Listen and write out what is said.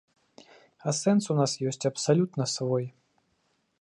А сэнс у нас ёсць абсалютна свой.